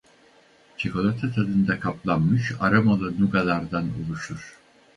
Çikolata tadında kaplanmış aromalı nugalardan oluşur.